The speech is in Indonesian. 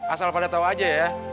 asal pada tau aja ya